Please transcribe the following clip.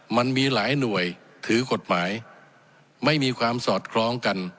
มันมีหลายหน่วยถือกฎหมายไม่มีความสอดคล้องกัน